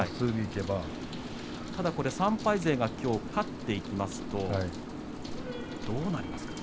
ただこれ３敗勢が勝っていきますとどうなりますかね。